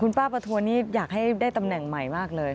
ป้าประทวนนี่อยากให้ได้ตำแหน่งใหม่มากเลย